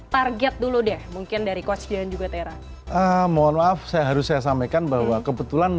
target dulu deh mungkin dari coach dan juga tera mohon maaf saya harus saya sampaikan bahwa kebetulan